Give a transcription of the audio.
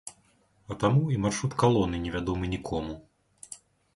А таму і маршрут калоны не вядомы нікому.